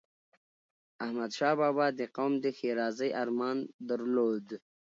احمدشاه بابا د قوم د ښېرازی ارمان درلود.